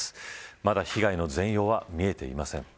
まだ被害の全容は見えていません。